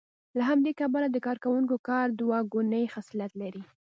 له همدې کبله د کارکوونکو کار دوه ګونی خصلت لري